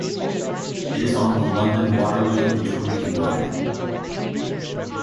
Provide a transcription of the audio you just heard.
It is on the London Waterloo to Reading line.